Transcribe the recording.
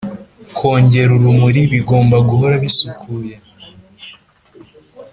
kongera urumuri bigomba guhora bisukuye